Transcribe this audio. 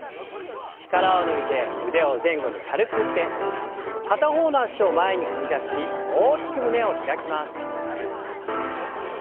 力を抜いて腕を前後に軽く振って片方の脚を前に踏み出し大きく胸を開きます。